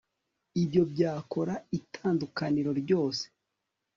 Ibyo byakora itandukaniro ryose